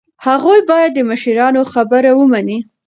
هغوی باید د مشرانو خبره ومني.